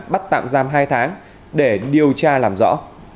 bắt tạm giam hai tháng để điều tra làm rõ